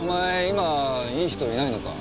今いい女性いないのか？